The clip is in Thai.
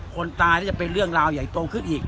คนตายก็จะเป็นเรื่องราวใหญ่โตขึ้นอีก